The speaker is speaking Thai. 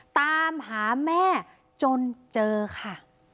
ตามหาแม่จนเจอค่ะ